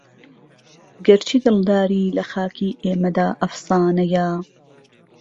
گەر چی دڵداری لە خاکی ئێمەدا ئەفسانەیە